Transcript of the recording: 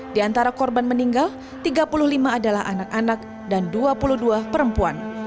di antara korban meninggal tiga puluh lima adalah anak anak dan dua puluh dua perempuan